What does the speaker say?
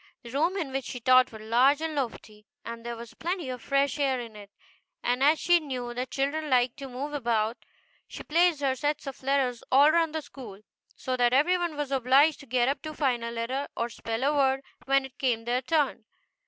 The room in which she taught was large and lofty, and there was plenty of fresh air in it ; and as she knew that children liked to move about, she placed her sets of letters all round the school, so that every one was obliged to get up to find a letter, or spell a word, when it came their turn.